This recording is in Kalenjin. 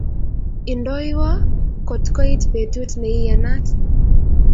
Indoywa kot koit betut ne iyanat